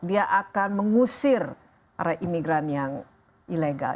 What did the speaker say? dia akan mengusir para imigran yang ilegal